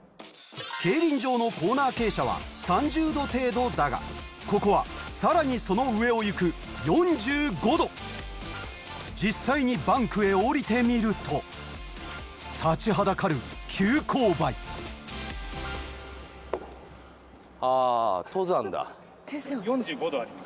競輪場のコーナー傾斜は３０度程度だがここはさらにその上をいく４５度実際にバンクへ下りてみると立ちはだかる急勾配あぁ。